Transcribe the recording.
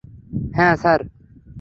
হ্যা, স্যার?